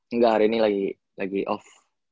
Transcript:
enggak hari ini lagi off